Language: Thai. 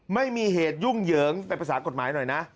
ไม่มีเหตุยุ่งเหยิงไปภาษากฎหมายหน่อยนะ